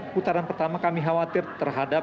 putaran pertama kami khawatir terhadap